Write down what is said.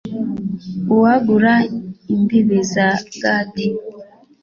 Uwagura imbibi za Gadi